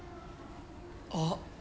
あっ！